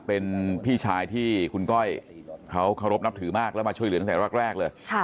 เป็นพี่ชายที่คุณก้อยเขาเคารพนับถือมากแล้วมาช่วยเหลือตั้งแต่แรกเลย